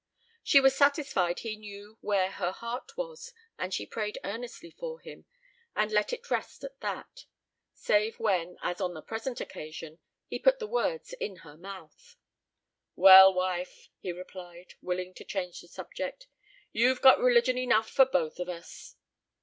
She was satisfied he knew where her heart was, that she prayed earnestly for him, and let it rest at that, save when, as on the present occasion, he put the words in her mouth. "Well, wife," he replied, willing to change the subject, "you've got religion enough for both of us."